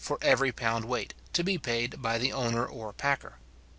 for every pound weight, to be paid by the owner or packer.